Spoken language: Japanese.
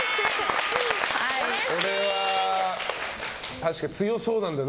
これは確かに強そうなんだよ